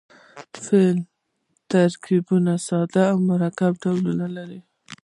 فعلي ترکیب ساده او مرکب ډولونه لري.